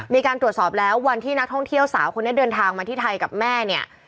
มีการตรวจสอบแล้ววันที่นักท่องเที่ยวสาวคนนี้เดินทางมาที่ไทยกับแม่เนี่ย